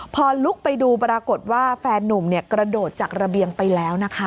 พอลุกไปดูปรากฏว่าแฟนนุ่มกระโดดจากระเบียงไปแล้วนะคะ